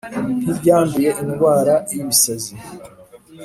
nk iryanduye indwara y ibisazi